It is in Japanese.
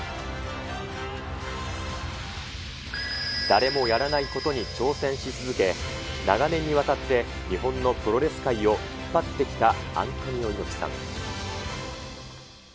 誰もやらないことに挑戦し続け、長年にわたって日本のプロレス界を引っ張ってきたアントニオ猪木さん。